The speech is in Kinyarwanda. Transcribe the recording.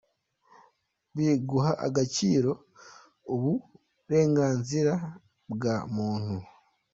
B. Guha agaciro uburenganzira bwa muntu: